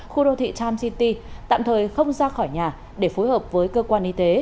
khu đô thị time city tạm thời không ra khỏi nhà để phối hợp với cơ quan y tế